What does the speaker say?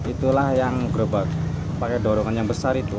itulah yang gerebek pakai dorongan yang besar itu